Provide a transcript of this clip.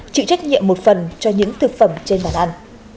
chịu trách nhiệm một phần cho những thực phẩm trên bàn ăn